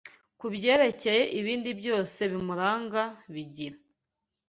Ku byerekeye ibindi byose bimuranga bigira